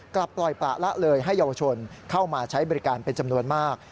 กลับปล่อยปละละเลยให้เยาวชนเข้ามาใช้บริการเป็นจำนวนมาก